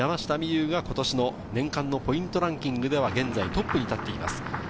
有が今年の年間のポイントランキングでは現在トップに立っています。